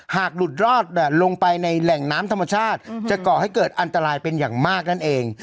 หากหลุดรอดลงไปในแหล่งน้ำธรรมชาติจะก่อให้เกิดอันตรายเป็นอย่างมากนั่นเอง